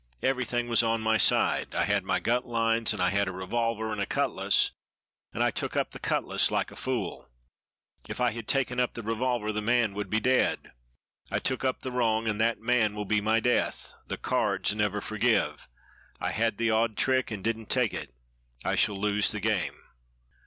Everything was on my side. I had my gut lines, and I had a revolver and a cutlass and I took up the cutlass like a fool; if I had taken up the revolver the man would be dead. I took up the wrong, and that man will be my death. The cards never forgive! I had the odd trick, and didn't take it I shall lose the game."